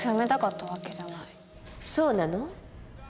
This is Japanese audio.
そうなの？